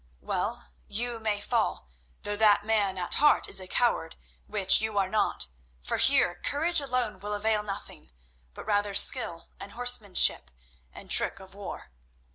Well, you may fall, though that man at heart is a coward, which you are not, for here courage alone will avail nothing, but rather skill and horsemanship and trick of war.